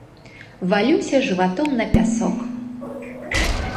Валюся жыватом на пясок.